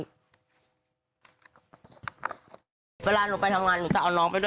ก็แยกกันไปตั้งแต่เช้าแล้ว